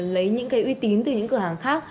lấy những cái uy tín từ những cửa hàng khác